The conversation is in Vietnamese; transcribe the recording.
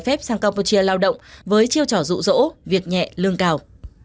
để phép sang campuchia lao động với chiêu trò dụ dỗ việc nhẹ lương cao